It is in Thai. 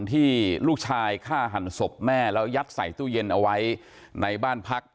ที่ลูกชายฆ่าหันศพแม่แล้วยัดใส่ตู้เย็นเอาไว้ในบ้านพัก